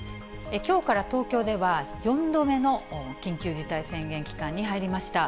きょうから東京では、４度目の緊急事態宣言期間に入りました。